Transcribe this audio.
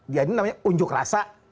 dia ini namanya unjuk rasa